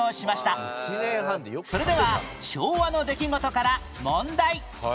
それでは昭和の出来事から問題